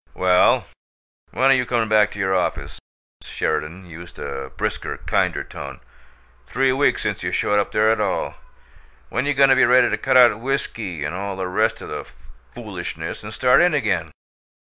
"Well, when are you comin' back to your office?" Sheridan used a brisker, kinder tone. "Three weeks since you showed up there at all. When you goin' to be ready to cut out whiskey and all the rest o' the foolishness and start in again?